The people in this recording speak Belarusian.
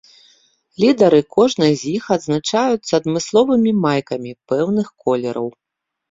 Лідары кожнай з іх адзначаюцца адмысловымі майкамі пэўных колераў.